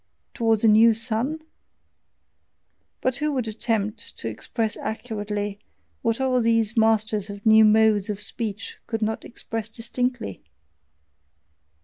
towards a new sun? But who would attempt to express accurately what all these masters of new modes of speech could not express distinctly?